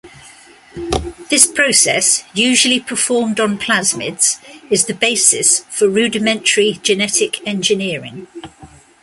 This process, usually performed on plasmids, is the basis for rudimentary genetic engineering.